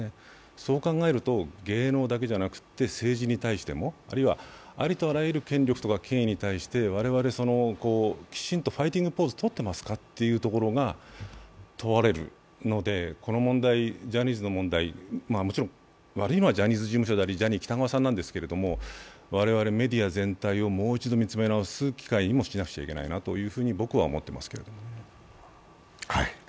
そう考えると芸能だけでなくて、政治に対してあるいはありとあらゆる権力や権威に対して我々、きちんとファイティングポーズをとってますかってところが問われるのでこの問題、ジャニーズの問題、もちろん悪いのはジャニーズ事務所でありジャニー喜多川さんなんですけど、我々メディア全体をもう一度見つめ直す機会にしなくてはいけないと僕は思っていますけれども。